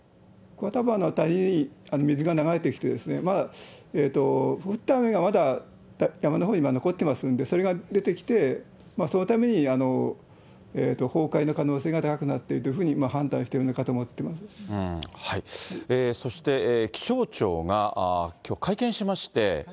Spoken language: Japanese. これはたぶん谷に水が流れてきて、降った雨がまだ山のほうに今残ってますんで、それが出てきて、そのために崩壊の可能性が高くなっているというふうに判断していそして、気象庁がきょう、会見しまして。